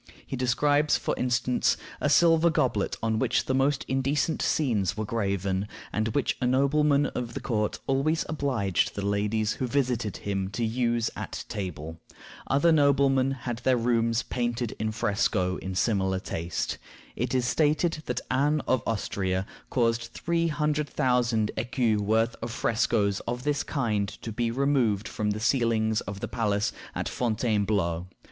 He describes, for instance, a silver goblet on which the most indecent scenes were graven, and which a nobleman of the court always obliged the ladies who visited him to use at table. Other noblemen had their rooms painted in fresco in similar taste. It is stated that Anne of Austria caused three hundred thousand écus worth of frescoes of this kind to be removed from the ceilings of the palace at Fontainebleau.